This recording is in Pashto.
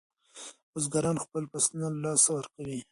بزګران خپل فصلونه له لاسه ورکوي.